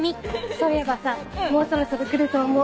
そういえばさもうそろそろ来ると思う。